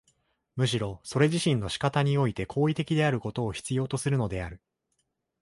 むしろそれ自身の仕方において行為的であることを必要とするのである。